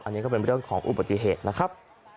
อันนี้ก็เป็นเรื่องของอุบัติเหตุนะครับ